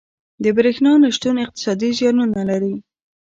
• د برېښنا نه شتون اقتصادي زیانونه لري.